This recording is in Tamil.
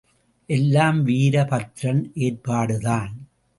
எல்லாம் வீரபத்ரன் ஏற்பாடுதான்.